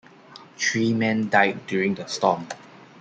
Three men died during the storm.